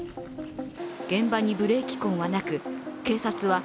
現場にブレーキ痕はなく警察は